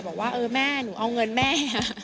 บอกว่าเออแม่หนูเอาเงินแม่